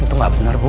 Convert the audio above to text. itu gak benar bu